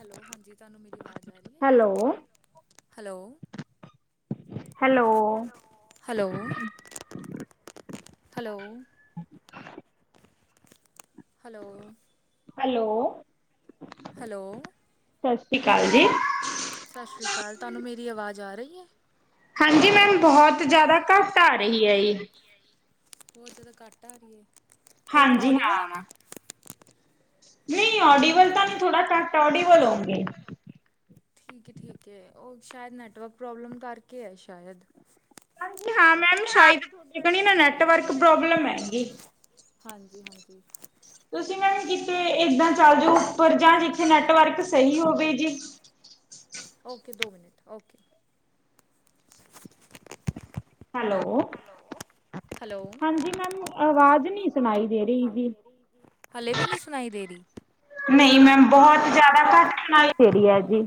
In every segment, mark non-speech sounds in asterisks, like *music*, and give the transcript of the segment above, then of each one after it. Hello ਹਾਂਜੀ ਤੁਹਾਨੂੰ ਮੇਰੀ ਆਵਾਜ਼ ਆ ਰਹੀ ਐ? Hello- hello. Hello hello. Hello. Hello. Hello. Sat Sri ਕਾਲ ਜੀ। ਸਤਿ ਸ਼੍ਰੀ ਅਕਾਲ ਤੁਹਾਨੂੰ ਮੇਰੀ ਆਵਾਜ਼ ਆ ਰਹੀ ਐ। ਹਾਂਜੀ ਮੈਮ ਬਹੁਤ ਜ਼ਿਆਦਾ ਘੱਟ ਆ ਰਹੀ ਹੈ ਹੀ। ਬਹੁਤ ਜ਼ਿਆਦਾ ਘੱਟ ਆ ਰਹੀ ਹੈ ਹੁਣ ਔਡੀਵਲ ਹਾਂ ਮੈਂ ਨਹੀਂ ਓਡੀਵਲ ਤਾਂ ਨਹੀਂ ਥੋੜਾ ਘੱਟ ਓਡੀਵਲ ਹੋਂਗੇ। ਠੀਕ ਹੈ-ਠੀਕ ਹੈ ਉਹ ਸ਼ਾਇਦ ਨੈੱਟਵਰਕ ਪ੍ਰੋਬਲਮ ਕਰਕੇ ਹੈ ਸ਼ਾਇਦ। ਹਾਂਜੀ ਹਾਂ ਮੈਮ ਸ਼ਾਇਦ ਤੁਹਾਡੇ ਕਣੀ ਨਾ ਨੈਟਵਰਕ ਪ੍ਰੋਬਲਮ ਹੈਗੀ। ਹਾਂਜੀ-ਹਾਂਜੀ। ਤੁਸੀਂ ਮੈਮ ਕਿਥੇ ਏਦਾਂ ਚੱਲ ਜਾਓ ਉੱਪਰ ਜਾਂ ਜਿੱਥੇ ਨੈਟਵਰਕ ਸਹੀ ਹੋਵੇ ਜੇ। ਓਕੇ ਦੋ ਮਿੰਟ ਓਕੇ। ਹੈਲੋ। ਹਾਂਜੀ ਮੈਮ ਅਵਾਜ਼ ਨੀ ਸੁਣਾਈ ਦੇ ਰਹੀ ਜੀ। ਨਹੀਂ ਮੈਮ ਬਹੁਤ ਜਿਆਦਾ ਘੱਟ ਸੁਣਾਈ ਦੇ ਰਹੀ ਹੈ ਜੀ।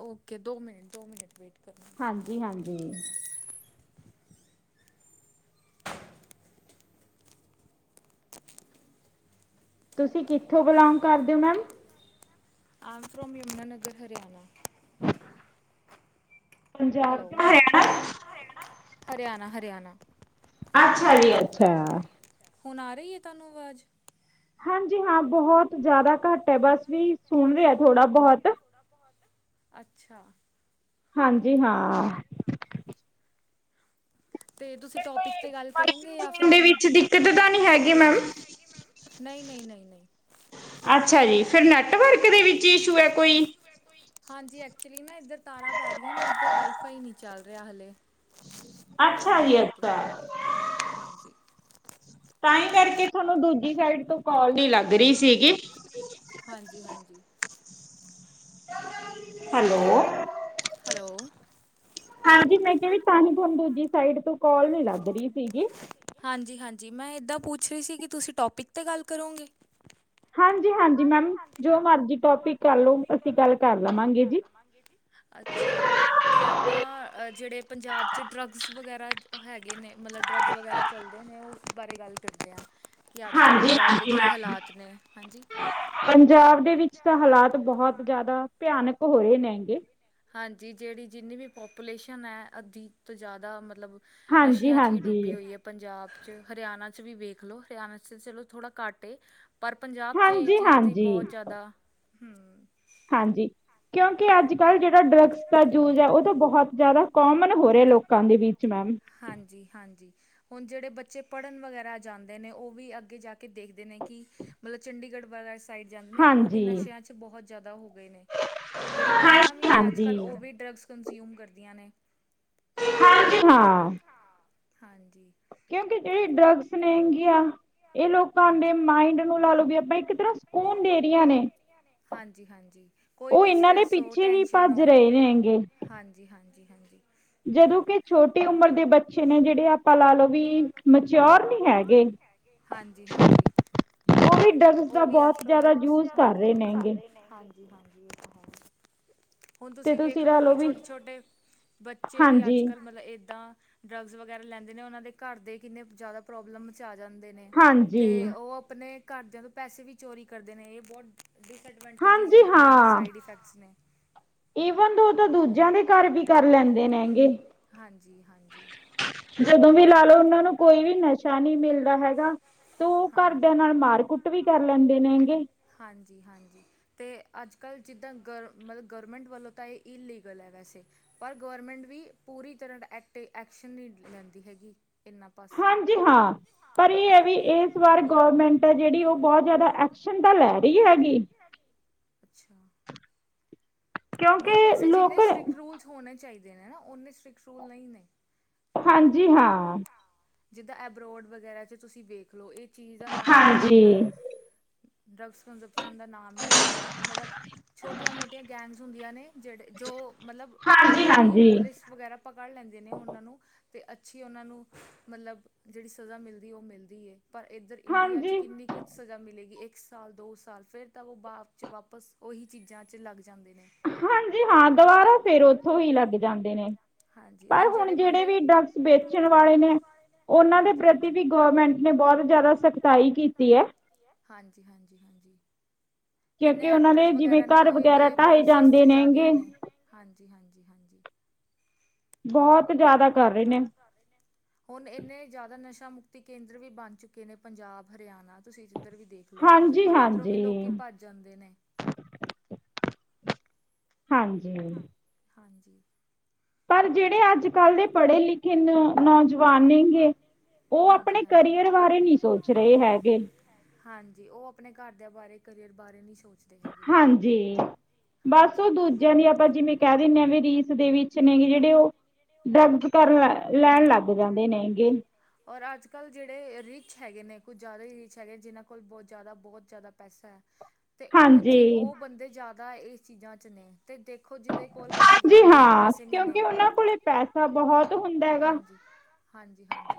ਓਕੇ ਦੋ ਮਿੰਟ-ਦੋ ਮਿੰਟ ਵੇਟ। ਹਾਂਜੀ-ਹਾਂਜੀ। ਤੁਸੀਂ ਕਿੱਥੋਂ ਬਿਲੋਂਗ ਕਰਦੇ ਹੋ ma'am? I'm from Yamunanagar Haryana. Punjab ਦਾ ਹਰਿਆਣਾ। ਹਰਿਆਣਾ-ਹਰਿਆਣਾ। ਅੱਛਾ ਜੀ ਅੱਛਾ। ਹੁਣ ਆ ਰਹੀ ਏ ਤੁਹਾਨੂੰ ਆਵਾਜ਼? ਹਾਂਜੀ, ਹਾਂ ਬਹੁਤ ਜ਼ਿਆਦਾ ਘੱਟ ਹੈ ਬਸ ਵੀ ਸੁਣ ਰਿਹਾ ਥੋੜਾ ਬਹੁਤ ਥੋੜਾ-ਬਹੁਤ ਅੱਛਾ। ਹਾਂਜੀ-ਹਾਂ। ਤੇ ਤੁਸੀਂ ਟੋਪਿਕ ਤੇ ਗੱਲ ਕਰੋਗੇ ਯਾਂ ਫਿਰ ਨਹੀਂ-ਨਹੀਂ-ਨਹੀਂ-ਨਹੀਂ। ਅੱਛਾ ਜੀ, ਫਿਰ ਨੈਟਵਰਕ ਦੇ ਵਿੱਚ ਇਸ਼ੂ ਹੈ ਕੋਈ ਹਾਂਜੀ, ਐਕਚੁਲੀ ਨਾ ਇੱਧਰ ਤਾਰਾਂ ਪੈ ਰਹੀਆਂ ਨੇ ਇੱਧਰ ਵਾਈਫਾਈ ਨਹੀਂ ਚੱਲ ਰਿਹਾ ਹੱਲੇ। ਤਾਂ ਕਰਕੇ ਹਾਂਜੀ-ਹਾਂਜੀ। ਤਾਂ ਹੀ ਕਰਕੇ ਤੁਹਾਨੂੰ ਦੂਜੀ ਸਾਈਡ ਤੋਂ ਕਾਲ ਨ ਲੱਗ ਰਹੀ ਸੀਗੀ। ਸੀਗੇ। ਹਾਂਜੀ-ਹਾਂਜੀ ਹੈਲੋ ਹੈਲੋ-ਹੈਲੋ। ਹਾਂਜੀ ਮੈਂ, ਕਿਹਾ ਤਾਹੀ ਤੁਹਾਨੂੰ ਦੂਜੀ ਸਾਈਡ ਤੋਂ ਕੋਲ ਨੀ ਲੱਗ ਰਹੀ ਸੀਗੀ। ਹਾਂਜੀ-ਹਾਂਜੀ ਮੈਂ ਇੱਦਾਂ ਪੁੱਛ ਰਹੀ ਸੀ ਕਿ ਤੁਸੀਂ ਟੋਪਿਕ 'ਤੇ ਗੱਲ ਕਰੋਂਗੇ? ਹਾਂਜੀ-ਹਾਂਜੀ ਮੈਮ ਜੋ ਮਰਜੀ ਟੋਪਿਕ ਕਰ ਲੋ ਅਸੀਂ ਗੱਲ ਕਰ ਲਵਾਂਗੇ। ਅੱਛਾ। ਅਤੇ ਆਪਾਂ ਜਿਹੜੇ ਪੰਜਾਬ ਚ ਡਰੱਗਜ਼ ਵਗੈਰਾ ਹੈਗੇ ਨੇ ਮਤਲਬ ਡਰੱਗਜ਼ ਵਗੈਰਾ ਚੱਲਦੇ ਨੇ ਉਹ ਬਾਰੇ ਗੱਲ ਕਰਦੇ ਹਾਂ। ਹਾਂਜੀ-ਹਾਂਜੀ ਮੈਮ ਪੰਜਾਬ ਦੇ ਵਿੱਚ ਤਾਂ ਹਾਲਾਤ ਬਹੁਤ ਜਿਆਦਾ ਭਿਆਨਕ ਹੋ ਰਹੇ ਨੇਗੇ। ਹਾਂਜੀ ਜਿਹੜੀ ਜਿੰਨੀ ਵੀ ਪੋਪੂਲੇਸ਼ਨ ਹੈ ਅੱਧੀ ਤੋਂ ਜ਼ਿਆਦਾ ਮਤਲਬ ਨਸ਼ਿਆਂ 'ਚ ਹੀ ਡੁੱਬੀ ਹੋਈ ਹੈ। ਪੰਜਾਬ 'ਚ ਹਰਿਆਣਾ 'ਚ ਵੀ ਵੇਖ ਲਓ ਹਰਿਆਣਾ 'ਚ ਚਲੋ ਥੋੜ੍ਹਾ ਘੱਟ ਏ। ਪਰ ਪੰਜਾਬ 'ਚ ਇਹ ਚੀਜ਼ ਦੀ ਬਹੁਤ ਜ਼ਿਆਦਾ ਹੂੰ। ਹਾਂਜੀ ਕਿਉਂਕਿ ਅੱਜ-ਕੱਲ੍ਹ ਜਿਹੜਾ ਡਰੱਗਜ਼ ਦਾ ਯੂਜ ਹੈ ਉਹ ਤਾਂ ਬਹੁਤ ਜਿਆਦਾ ਕੋਮਨ ਹੋ ਰਿਹਾ ਲੋਕਾਂ ਦੇ ਵਿੱਚ ਮੈਮ ਹਾਂਜੀ-ਹਾਂਜੀ ਹੁਣ ਜਿਹੜੇ ਬੱਚੇ ਪੜ੍ਹਨ ਵਗੈਰਾ ਜਾਂਦੇ ਨੇ ਉਹ ਵੀ ਅੱਗੇ ਜਾ ਕੇ ਦੇਖਦੇ ਨੇ ਕਿ ਮਤਲਬ ਚੰਡੀਗੜ੍ਹ ਵਾਲ ਸਾਈਡ ਜਾਂਦੇ ਨੇ ਉਹ ਵੀ ਨਸ਼ਿਆਂ 'ਚ ਬਹੁਤ ਜ਼ਿਆਦਾ ਹੋ ਗਏ ਨੇ। ਜਿਹੜੀ ਕੁੜੀਆਂ ਵੀ ਨੇ ਅੱਜ-ਕੱਲ੍ਹ ਉਹ ਵੀ ਡਰੱਗਸ ਕੰਨਜ਼ਿਊਮ ਕਰਦੀਆਂ ਨੇ। ਹਾਂਜੀ ਹਾਂ। ਹਾਂ ਹਾਂਜੀ ਕਿਉਂਕਿ ਜਿਹੜੀ ਡਰੱਗਸ ਸੁਨਹਗੀਆਂ ਇਹ ਲੋਕਾਂ ਦੇ ਮਾਇਡ ਨੂੰ ਲਾ ਲੋ ਬੀ ਆਪਾਂ ਇੱਕ ਤਰ੍ਹਾਂ ਸਕੂਨ ਦੇ ਰਹੀਆਂ ਨੇ। ਹਾਂਜੀ-ਹਾਂਜੀ ਕੋਈ ਵੀ ਸਟਰੈੱਸ ਹੋ ਟੈਂਸ਼ਨ ਹੋਵੇ ਹਾਂਜੀ-ਹਾਂਜੀ-ਹਾਂਜੀ। ਜਦੋਂ ਕਿ ਛੋਟੀ ਉਮਰ ਦੇ ਬੱਚੇ ਨੇ ਜਿਹੜੇ ਆਪਾਂ ਲਾ ਲਓ ਵੀ ਮਚਿਓਰ ਨੀ ਹੈਗੇ। ਹਾਂਜੀ-ਹਾਂਜੀ ਉਹ ਵੀ ਅੱਜ-ਕਲ ਕਰ ਰਹੇ ਨੇ ਹਾਂਜੀ-ਹਾਂਜੀ। ਹੁਣ ਤੁਸੀਂ ਵੇਖਲੋ ਕਿ ਛੋਟੇ-ਛੋਟੇ ਬੱਚੇ ਵੀ ਅੱਜ-ਕੱਲ੍ਹ ਮਤਲਬ ਏਦਾਂ ਡਰੱਗਜ਼ ਵਗੈਰਾ ਲੈਂਦੇ ਨੇ ਉਹਨਾਂ ਦੇ ਘਰ ਦੇ ਕਿੰਨੇ ਜ਼ਿਆਦਾ ਪ੍ਰੋਬਲਮ ਆ ਜਾਂਦੇ ਨੇ ਅਤੇ ਉਹ ਆਪਣੇ ਘਰਦਿਆਂ ਤੋਂ ਪੈਸੇ ਵੀ ਚੋਰੀ ਕਰਦੇ ਨੇ ਇਹ ਬਹੁਤ ਡਿਸਐਡਵਾਂਟੇਜਿਸ ਹੈਗੀਆਂ ਨੇ ਸਾਈਡ ਇਫੈਕਟਸ ਨੇ। ਈਵਨ ਦੋ ਤਾਂ ਦੂਜਿਆਂ ਦੇ ਘਰ ਵੀ ਕਰ ਲੈਂਦੇ ਨੇ ਹੈਗੇ। ਹਾਂਜੀ-ਹਾਂਜੀ ਜਦੋਂ ਵੀ ਲਾ ਲਓ ਉਹਨਾਂ ਨੂੰ ਕੋਈ ਵੀ ਨਸ਼ਾ ਨਹੀਂ ਮਿਲਦਾ ਹੈਗਾ। ਤੂੰ ਉਹ ਘਰਦਿਆਂ ਨਾਲ ਮਾਰ ਕੁੱਟ ਵੀ ਕਰ ਲੈਂਦੇ ਨੇਗੇ। ਹਾਂਜੀ-ਹਾਂਜੀ ਅਤੇ ਅੱਜ-ਕੱਲ੍ਹ ਜਿੱਦਾਂ ਗਰ ਮਤਲਬ ਗਵੌਰਮੈਂਟ ਵੱਲੋਂ ਤਾਂ ਇਹ ਇਲੀਗਲ ਹੈ ਵੈਸੇ ਪਰ ਗਵੌਰਮੈਂਟ ਵੀ ਪੂਰੀ ਤਰ੍ਹਾਂ ਐਕਟ ਐਕਸ਼ਨ ਨਹੀਂ ਲੈਂਦੀ ਹੈਗੀ। ਹਾਂਜੀ ਹਾਂ। ਪਰ ਇਹ ਹੈ ਵੀ ਇਸ ਵਾਰ ਗਰਮੈਂਟ ਹੈ ਜਿਹੜੀ ਉਹ ਬਹੁਤ ਜਿਆਦਾ ਐਕਸ਼ਨ ਤਾਂ ਲੈ ਰਹੀ ਹੈਗੀ। ਅੱਛਾ ਨਹੀਂ ਵੈਸੇ ਜਿੰਨੇ ਸਟ੍ਰਿਕਟ ਰੂਲਸ ਹੋਣੇ ਚਾਹੀਦੇ ਨੇ ਨਾ ਉਨੇ ਸਟ੍ਰਿਕਟ ਰੂਲ ਨਹੀਂ ਨੇ। ਹਾਂਜੀ ਹਾਂ। ਜਿੱਦਾਂ ਐਬਰੋਡ ਵਗੈਰਾ 'ਚ ਤੁਸੀਂ ਵੇਖ ਲਓ ਇਹ ਚੀਜ਼ ਦਾ ਨਾਮ ਹੀ ਨਹੀਂ ਹੈਗਾ। ਡਰੱਗਸ ਕੰਜਪਸ਼ਨ ਦਾ ਨਾਮ ਹੀ ਨਹੀਂ ਹੈਗਾ ਮਤਲਬ ਛੋਟੀਆਂ ਮੋਟੀਆਂ ਗੈਂਗਸ ਹੁੰਦੀਆਂ ਨੇ। ਜਿਹੜੇ ਜੋ ਮਤਲਬ, ਉਹ ਵੀ ਪੁਲਿਸ ਵਗੈਰਾ ਪਕੜ ਲੈਂਦੇ ਨੇ, ਉਹਨਾਂ ਨੂੰ ਤੇ ਅੱਛੀ। ਉਹਨਾਂ ਨੂੰ ਮਤਲਬ ਜਿਹੜੀ ਸਜ਼ਾ ਮਿਲਦੀ ਉਹ ਮਿਲਦੀ ਏ। ਪਰ ਇੱਧਰ ਇੰਡੀਆ 'ਚ ਕਿੰਨੀ ਫਿਰ ਸਜ਼ਾ ਮਿਲੇਗੀ। ਇੱਕ ਸਾਲ, ਦੋ ਸਾਲ, ਫੇਰ ਤਾਂ ਉਹ ਬਾਦ ਚ ਵਾਪਸ ਉਹੀ ਚੀਜ਼ਾਂ ਚ ਲੱਗ ਜਾਂਦੇ ਨੇ। ਹਾਂਜੀ ਹਾਂ ਦੁਬਾਰਾ ਫੇਰ ਉੱਥੋਂ ਹੀ ਲੱਗ ਜਾਂਦੇ ਨੇ। ਪਰ ਹੁਣ ਜਿਹੜੇ ਵੀ ਡਰੱਗਸ ਵੇਚਣ ਵਾਲੇ ਨੇ ਉਹਨਾਂ ਦੇ ਪ੍ਰਤੀ ਵੀ ਗਵੌਰਮੈਂਟ ਨੇ ਬਹੁਤ ਜ਼ਿਆਦਾ ਸਖਤਾਈ ਕੀਤੀ ਹੈ। ਹਾਂਜੀ-ਹਾਂਜੀ-ਹਾਂਜੀ। ਕਿੰਨੇ ਐਕਟਰਸ ਵਗੈਰਾ ਨੇ ਉਹ ਇਹ ਪੋਲਸੀਜ਼ 'ਚ ਜ਼ਿਆਦੀਆਂ ਨੇ ਹਾਂਜੀ-ਹਾਂਜੀ-ਹਾਂਜੀ। ਬਹੁਤ ਜਿਆਦਾ ਕਰ ਰਹੇ ਨੇ। ਹੁਣ ਇੰਨੇ ਜ਼ਿਆਦਾ ਨਸ਼ਾ ਮੁਕਤੀ ਕੇਂਦਰ ਵੀ ਬਣ ਚੁੱਕੇ ਨੇ ਪੰਜਾਬ ਹਰਿਆਣਾ ਤੁਸੀਂ ਜਿੱਧਰ ਵੀ ਦੇਖ ਲੋ ਪਰ ਉੱਧਰੋਂ ਵੀ ਲੋਕੀ ਭੱਜ ਜਾਂਦੇ ਨੇ। ਹਾਂਜੀ ਹਾਂਜੀ। ਪਰ ਜਿਹੜੇ ਅੱਜ ਕੱਲ ਦੇ ਪੜ੍ਹੇ ਲਿਖੇ ਨੌ- ਨੌਜਵਾਨ ਨੇਗੇ। ਉਹ ਆਪਣੇ ਕਰੀਅਰ ਬਾਰੇ ਨਹੀਂ ਸੋਚ ਰਹੇ ਹੈਗੇ। ਹਾਂਜੀ। ਉਹ ਆਪਣੇ ਘਰਦਿਆਂ ਬਾਰੇ, ਕਰੀਅਰ ਬਾਰੇ ਨੀ ਸੋਚਦੇ। ਹਾਂਜੀ ਬਸ ਉਹ ਦੂਜੇ ਜੇਹ ਵੀ ਆਪਾਂ ਜਿਵੇਂ ਕਹਿ ਦਿੰਦੇ ਹਾਂ। ਵੀ ਰੀਲਸ ਦੇ ਵਿਚ ਨੇਗੇ ਜਿਹੜੇ ਉਹ ਡਰੱਗਜ਼ ਕਰਨ ਲ ਲੈਣ ਲੱਗ ਜਾਂਦੇ ਨੇਗੇ। ਔਰ ਅੱਜ ਕੱਲ੍ਹ ਜਿਹੜੇ ਰ ਰਿੱਚ ਹੈਗੇ ਨੇ, ਕੁਝ ਜ਼ਿਆਦਾ ਹੀ ਰਿਚ ਹੈਗੇ ਜਿਹਨ੍ਹਾਂ ਕੋਲ ਬਹੁਤ ਜ਼ਿਆਦਾ, ਬਹੁਤ ਜ਼ਿਆਦਾ ਪੈਸਾ ਹੈ। ਅਤੇ ਉਹ ਚੀ ਉਹ ਬੰਦੇ ਜ਼ਿਆਦਾ ਇਸ ਚੀਜ਼ਾਂ 'ਚ ਨੇ ਅਤੇ ਦੇਖੋ ਜਿਹਦੇ ਕੋਲ ਰੋਟੀ ਜੀ ਹਾਂ। ਕਿਉਂਕਿ ਉਹਨਾਂ ਕੋਲੇ ਪੈਸਾ ਬਹੁਤ ਹੁੰਦਾ ਹੈਗਾ।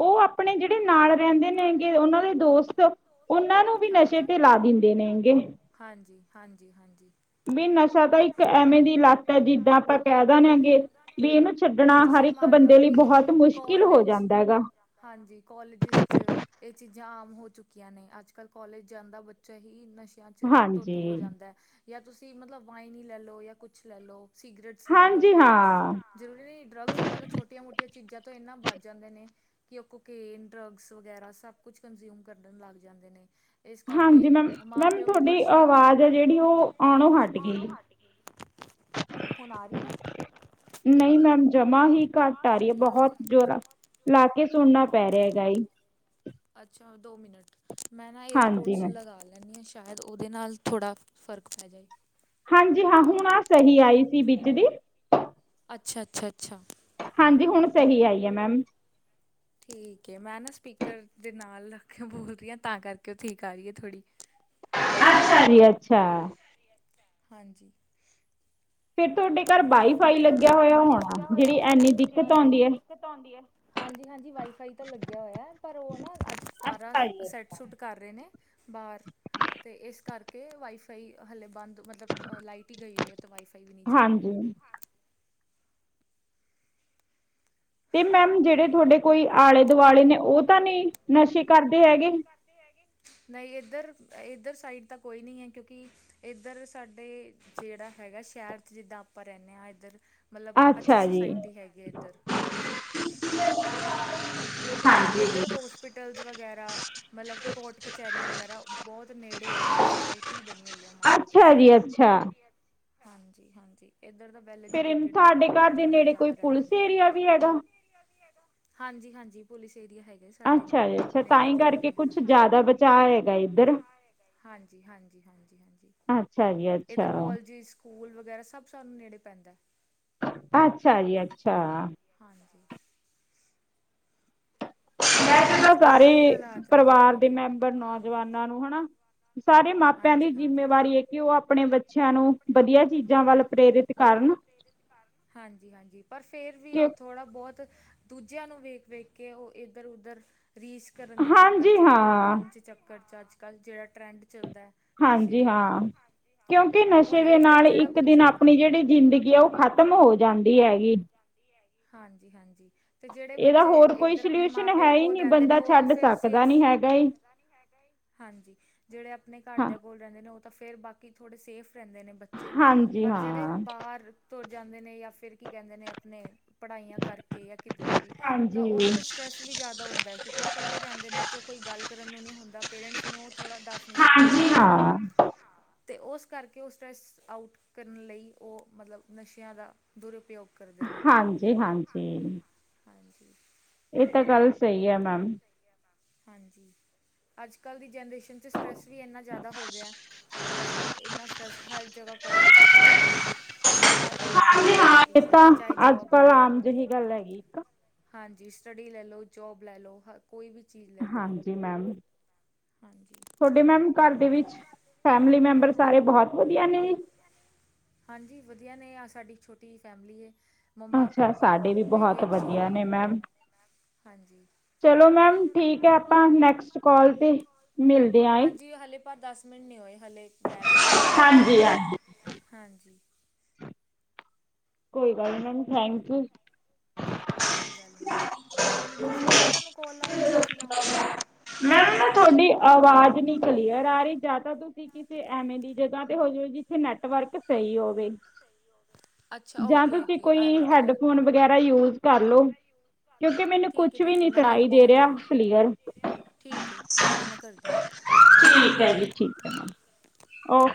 ਉਹ ਆਪਣੇ ਜਿਹੜੇ ਨਾਲ ਰਹਿੰਦੇ ਨੇ ਹੈਗੇ। ਉਹਨਾਂ ਦੇ ਦੋਸਤ ਉਹਨਾਂ ਨੂੰ ਵੀ ਨਸ਼ੇ ਤੇ ਲਾ ਦਿੰਦੇ ਨੇ ਹੈਗੇ। ਹਾਂਜੀ ਹਾਂਜੀ ਹਾਂਜੀ। ਵੀ ਨਸ਼ਾ ਤਾਂ ਇੱਕ ਐਵੇਂ ਦੀ ਲੱਤ ਹੈ। ਜਿੱਦਾਂ ਆਪਾਂ ਕਹਿ ਦੇਾਨਗੇ ਵੀ ਇਹਨੂੰ ਛੱਡਣਾ ਹਰ ਇੱਕ ਬੰਦੇ ਲਈ ਬਹੁਤ ਮੁਸ਼ਕਿਲ ਹੋ ਜਾਂਦਾ ਹੈਗਾ। ਹਾਂਜੀ ਕੋਲਜਿਸ 'ਚ। ਇਹ ਚੀਜ਼ਾਂ ਆਮ ਹੋ ਚੁੱਕੀਆਂ ਨੇ, ਅੱਜ ਕੱਲ੍ਹ ਕਾਲਜ ਜਾਂਦਾ ਬੱਚਾ ਹੀ ਨਸ਼ ਗਿਆ ਚ' ਧੁੱਤ ਹੋ ਜਾਂਦਾ ਐ। ਜਾਂ ਤੁਸੀਂ ਮਤਲਬ ਵਾਈ ਹੀਂ ਲੈ ਲਓ ਜਾਂ ਕੁਛ ਲੈ ਲਓ ਸੀਗੀਰੇਟਸ ਲੈ ਲਓ। ਜ਼ਰੂਰੀ ਨਹੀਂ ਡਰੱਗਜ਼। ਮਤਲਬ ਛੋਟੀਆਂ ਮੋਟੀਆਂ ਚੀਜ਼ਾਂ ਤੋਂ ਇਨਾ ਵੱਧ ਜਾਂਦੇ ਨੇ। ਕਿ ਉਹ ਕੋਕੇਨ, ਡਰੱਗਸ ਵਗੈਰਾ, ਸਭ ਕੁਛ ਕੰਜ਼ਿਊਮ ਕਰਨ ਲੱਗ ਜਾਂਦੇ ਨੇ। ਹਾਂਜੀ ਮੈਮ, ਮੈਮ ਤੁਹਾਡੀ ਆਵਾਜ਼ ਆ ਜਿਹੜੀ ਉਹ ਆਉਣੋ ਹੱਟ ਆਉਣੋ ਹਟ ਗਈ। ਹੁਣ ਆਰੀ ਹੈ। ਨਹੀਂ ਮੈਮ ਜਮਾ ਹੀ ਘੱਟ ਆ ਰਹੀ ਹੈ ਬਹੁਤ ਜੋਰਾ ਲਾਗੇ ਸੁਣਨਾ ਪੈ ਰਿਹਾ ਹੈਗਾਏ। ਅੱਛਾ ਦੋ ਮਿੰਟ! ਮੈਂ ਨਾ ਏਅਰਪੋਰਟ 'ਚ ਲਗਾ ਲੈਂਦੀ ਹਾਂ ਸ਼ਾਇਦ ਉਹਦੇ ਨਾਲ ਥੋੜ੍ਹਾ ਫ਼ਰਕ ਪੈ ਜਾਵੇ। ਹਾਂਜੀ ਹਾਂ। ਹੁਣ ਆਹ ਸਹੀ ਆਈ ਸੀ ਵਿੱਚ ਦੀ। ਅੱਛਾ ਅੱਛਾ ਅੱਛਾ। ਹਾਂਜੀ ਹੁਣ ਸਹੀ ਆਈ ਹੈ। ਮੈਮ ਠੀਕ ਹੈ। ਮੈਂ ਨਾ ਸਪੀਕਰ ਦੇ ਨਾਲ ਲੈਕੇ ਬੋਲ ਰਹੀ ਹਾਂ। ਤਾਂ ਕਰਕੇ ਉਹ ਠੀਕ ਆ ਰਹੀ ਹੈ ਥੋੜ੍ਹੀ। ਅੱਛਾ ਜੀ ਅੱਛਾ। ਹਾਂਜੀ। ਸਾਡੇ ਘਰ ਵਾਈ-ਫਾਈ ਲੱਗਿਆ ਹੋਇਆ। ਹੁਣ ਵੀ ਇਨੀ ਦਿੱਕਤ ਆਉਂਦੀ ਐ। ਹਾਂਜੀ ਹਾਂਜੀ ਵਾਈਫਾਈ ਤਾਂ ਲੱਗਿਆ ਹੋਇਆ। ਪਰ ਉਹ ਨਾ ਅੱਜ ਤਾਰਾਂ ਸੈੱਟ ਸੁੱਟ ਕਰ ਰਹੇ ਨੇ ਬਾਹਰ ਤੇ ਇਸ ਕਰਕੇ ਵਾਈਫਾਈ ਹਲੇੇ ਬੰਦ। ਮਤਲਬ ਲਾਈਟ ਈ ਗਈ ਹੋਈ ਏ ਤੇ ਵਾਈਫਾਈ ਵੀ ਨਈ ਚੱਲ ਰਿਆ ਹਲੇ। ਤੇ ਮੈਮ ਜੇੜੇ ਤੁਆਡੇ ਕੋਈ ਆਲੇ-ਦੁਆਲੇ ਨੇ ਉਹ ਤਾਂ ਨਈ ਨਸ਼ੇ ਕਰਦੇ ਹੈਗੇ। ਨਈ ਇੱਧਰ, ਇੱਧਰ ਸਾਈਡ ਤਾਂ ਕੋਈ ਨਈ ਐ ਕਿਉਂਕਿ ਇੱਧਰ ਸਾਡੇ, ਜਿਹੜਾ ਹੈਗਾ ਸ਼ਹਿਰ 'ਚ ਜਿੱਦਾਂ ਆਪਾਂ ਰਹਿੰਦੇ ਹਾਂ ਇੱਧਰ। ਮਤਲਬ ਅੱਛੀ ਸੁਸਾਇਟੀ ਹੈਗੀ ਹੈ। ਇੱਧਰ ਹਾਂਜੀ। *unintelligible* ਕਿਉਂਕਿ ਇੱਧਰ ਹੋਸਪੀਟਲਸ ਵਗੈਰਾ ਮਤਲਬ, ਕੋਰਟ ਕਚਹਿਰੀਆਂ ਵਗੈਰਾ ਬਹੁਤ ਨੇੜੇ ਆ ਇੱਧਰ। ਸੁੋਸਾਇਟੀ ਬਣੀ ਹੋਈ ਆ। ਮੰਨ ਲਓ ਤੁਸੀਂ, ਹਾਂਜੀ ਹਾਂਜੀ ਇੱਧਰ ਦਾ ਫੇਰ ਤੁਹਾਡੇ ਘਰ ਦੇ ਨੇੜੇ ਕੋਈ ਪੁਲਿਸ ਏਰੀਆ ਵੀ ਹੈਗਾ? ਹਾਂਜੀ ਹਾਂਜੀ ਪੁਲਿਸ ਏਰੀਆ ਹੈਗਾ ਏ। ਅੱਛਾ ਜੀ ਅੱਛਾ। ਤਾਂਹੀ ਕਰਕੇ ਕੁੱਛ ਜ਼ਿਆਦਾ ਬਚਾਅ ਹੈਗਾ ਇੱਧਰ। ਹਾਂਜੀ ਹਾਂਜੀ ਹਾਂਜੀ ਹਾਂਜੀ ਇੱਧਰ ਕੋਲਜਿਸ। ਸਕੂਲ ਵਗੈਰਾ ਸਭ ਸਾਨੂੰ ਨੇੜੇ ਪੈਂਦਾ। ਅੱਛਾ ਜੀ ਅੱਛਾ। ਹਾਂਜੀ। ਵੈਸੇ ਤਾਂ ਸਾਰੇ ਪਰਿਵਾਰ ਦੇ ਮੈਂਬਰ ਨੌਜਵਾਨਾਂ ਨੂੰ ਹਨਾ। ਸਾਰੇ ਮਾਪਿਆਂ ਦੀ ਜਿੰਮੇਵਾਰੀ ਏ ਕਿ ਉਹ ਅਪਣੇ ਬੱਚਿਆਂ ਨੂੰ ਵਦੀਆ ਚੀਜ਼ਾਂ ਵੱਲ ਪ੍ਰੇਰਿਤ ਕਰਨ। ਹਾਂਜੀ-ਹਾਂਜੀ ਪਰ ਫੇਰ ਵੀ ਉਹ ਥੋੜਾ ਬਹੁਤ ਦੂਜਿਆਂ ਨੂੰ ਵੇਖ-ਵੇਖ ਕੇ ਉਹ ਇੱਧਰ-ਉੱਧਰ ਰੀਸ ਕਰਨ ਦੇ ਚੱਕਰ ਚ ਕੂਲ ਬਣਨ ਦੇ ਚੱਕਰ ਚ ਅੱਜ-ਕੱਲ ਜੇੜਾ ਟਰੈਂਡ ਚੱਲਦਾ ਐ ਤੁਸੀਂ ਦੇਖੋ। ਕਿਉਂਕਿ ਨਸ਼ੇ ਦੇ ਨਾਲ ਇੱਕ ਦਿਨ ਅਪਣੀ ਜੇੜੀ ਜ਼ਿੰਦਗੀ ਆ ਉਹ ਖਤਮ ਹੋ ਜਾਂਦੀ ਹੈਗੀ। ਹਾਂਜੀ-ਹਾਂਜੀ, ਤੇ ਜੇੜੇ ਬੱਚੇ ਇੱਧਰ ਅਪਣੇ ਮਾਂ-ਪਿਓ ਕੋਲ ਰਹਿੰਦੇ ਨੇ ਉਹ ਤਾਂ ਫਿਰ ਰੁਕਦਾ ਨੀ ਹੈਗਾ ਈ। ਹਾਂਜੀ, ਜੇੜੇ ਅਪਣੇ ਘਰਦੇ ਕੋਲ ਰਹਿੰਦੇ ਨੇ ਉਹ ਤਾਂ ਫੇਰ ਬਾ ਕੀ ਥੋੜੇ ਸੇਫ ਰਹਿੰਦੇ ਨੇ ਬੱਚੇ, ਪਰ ਜਿਹੜੇ ਬਾਹਰ ਤੁਰ ਜਾਂਦੇ ਨੇ ਯਾ ਫਿਰ ਕੀ ਕਹਿੰਦੇ ਨੇ ਅਪਣੇ ਪੜਾਈਆਂ ਕਰਕੇ ਯਾ ਕਿਧਰੇ ਵੀ ਤਾਂ ਉਹਨਾਂ ਨੂੰ ਸਟਰੈੱਸ ਵੀ ਜੈਦਾ ਹੁੰਦਾ ਐ ਕਿਉਂਕਿ ਉਹ ਕੱਲੇ ਰਹਿੰਦੇ ਨੇ ਕਿਉਂ ਕੋਈ ਗੱਲ ਕਰਨ ਨੂੰ ਨਈ ਹੁੰਦਾ ਪੇਰੈਂਟਸ ਨੂੰ ਉਹ ਥੋੜਾ ਦੱਸ ਨਈ ਸਕਦੇ ਅਪਣੇ ਬਾਰੇ ਹਾਂ ਤੇ ਉਸ ਕਰਕੇ ਉਹ ਸਟਰ੍ਰੈਸ ਆਊਟ ਕਰਨ ਲਈ ਉਹ ਮਤਲਬ ਨਸ਼ਿਆਂ ਦਾ ਦੁਰਉਪਯੋਗ ਕਰਦੇ ਨੇ, ਹਾਂਜੀ। ਇਹ ਤਾਂ ਗੱਲ ਸਈ ਐ ਮੈਮ। ਹਾਂਜੀ, ਅੱਜ-ਕੱਲ ਦੀ ਜਨਰੇਸ਼ਨ ਚ ਸਟਰੈੱਸ ਵੀ ਇੰਨਾ ਜੈਦਾ ਹੋ ਗਿਆ ਅੱਜ-ਕੱਲ ਇੰਨਾ ਸਟਰ੍ਰੈੱਸ ਹਰ ਜਗਾ ਕੋਮਪੀਟੀਸ਼ਨ ਹੈਗਾ। ਹਰ ਇੱਕ ਜਗਾ ਕੰਪੀਟੀਸ਼ਨ ਐ, ਚਾਏ ਜੋਬ ਲੈ ਲਓ। ਹਾਂਜੀ, ਸਟੱਡੀ ਲੈ ਲਓ, ਜੋਬ ਲੈ ਲਓ, ਹ ਕੋਈ ਵੀ। ਹਾਂਜੀ, ਮੈਮ। ਹਾਂਜੀ, ਤੁਆਡੇ ਮੈਮ ਘਰਦੇ ਫੈਮਲੀ ਮੈਂਬਰ ਸਾਰੇ ਬੌਤ ਵਦੀਆ ਨੇ। ਹਾਂਜੀ, ਵਦੀਆ ਨੇ ਆ ਸਾਡੀ ਛੋਟੀ ਜੀ ਫੈਮਿਲੀ ਏ। ਮੰਮਾ, ਪਾਪਾ, ਮੇਰੀ ਇੱਕ ਛੋਟੀ ਹਾਂਜੀ। ਚਲੋ ਮੈਮ ਠੀਕ ਐ ਆਪਾਂ ਨੈਕਸਟ ਕੌਲ ਤੇ ਮਿਲਦੇ ਆ ਏ। ਪਰ ਦਸ ਮਿੰਟ ਨੀ ਹੋਏ ਹਲੇ, ਰੈ ਗਏ ਨੇ ਪੰਦਰਾਂ ਸੈਕਿੰਡ, ਹਾਂਜੀ। ਕੋਈ ਗੱਲ ਨਈ, ਮੈਮ ਥੈਂਕ ਯੂ। ਕੋਈ ਗੱਲ ਨੀ, ਹੁਣ ਤੁਸੀਂ ਮੈਂ ਤੁਆਨੂੰ ਕੋੱਲ ਲਾਵਾਂ ਜੇ ਤੁਸੀਂ ਲਾਓਂਗੇ। ਮੈਨੂੰ ਨਾ ਤੁਆਡੀ ਆਵਾਜ਼ ਨੀ ਕਲੀਰ ਆ ਰੀ ਯਾ ਤਾ ਤੁਸੀ ਕਿ ਐਵੇਂ ਦੀ ਜਗ੍ਹਾ ਤੇ ਹੋ ਜੋ ਜਿੱਥੇ ਨੈਟਵਰਕ ਸਈ ਹੋਵੇ। ਅੱਛਾ। ਜਾਂ ਤੁਸੀਂ ਕੋਈ ਹੈਡਫੋਨ ਵਗੈਰਾ ਯੂਜ ਕਰਲੋ। ਕਿਉਂਕਿ ਮੈਨੂੰ ਕੁਛ ਵੀ ਨੀ ਸੁਣਾਈ ਦੇ ਰੇਆ ਕਲੀਅਰ ਠੀਕ ਐ, ਠੀਕ ਐ ਮੈਂ ਕਰਦੀ ਆਂ। ਠੀਕ ਐ ਜੀ, ਠੀਕ ਐ ਮੈਮ ਓ